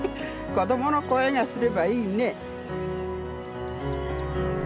子どもの声がすればいいね。